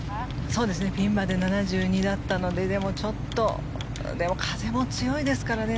ピンまで７２だったのででも、ちょっと風も強いですからね。